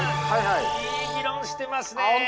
いい議論してますね！